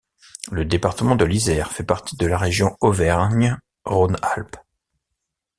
Le département de l'Isère fait partie de la région Auvergne-Rhône-Alpes.